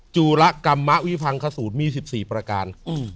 จูระกรรมมะวิพังคสูตรมี๑๔ประการ